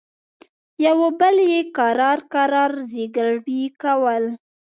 يوه بل يې کرار کرار زګيروي کول.